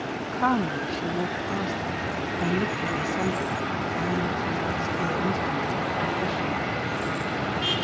Calmly she walked past him and looked at the assemblage of finely tempered steel instruments of his profession.